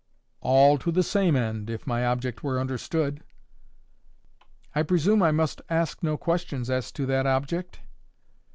"All to the same end, if my object were understood." "I presume I must ask no questions as to that object?"